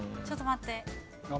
ちょっと待って。